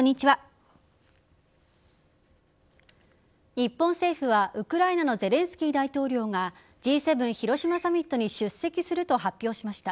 日本政府は、ウクライナのゼレンスキー大統領がＧ７広島サミットに出席すると発表しました。